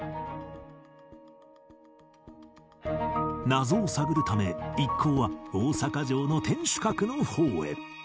謎を探るため一行は大阪城の天守閣の方へ